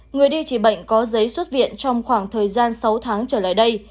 người đi chỉ bệnh có giấy xuất viện trong khoảng thời gian sáu tháng trở lại đây